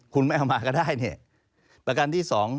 คุณไม่เอามาก็ได้แต่การด้วย๒